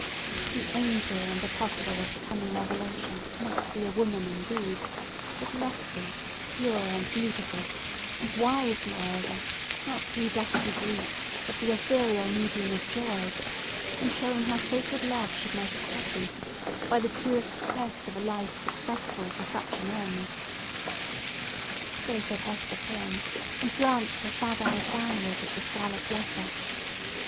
The angel and apostle of the coming revelation must be a woman, indeed, but lofty, pure, and beautiful, and wise; moreover, not through dusky grief, but the ethereal medium of joy; and showing how sacred love should make us happy, by the truest test of a life successful to such an end. So said Hester Prynne, and glanced her sad eyes downward at the scarlet letter.